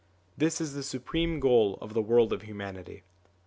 This is the supreme goal of the world of humanity.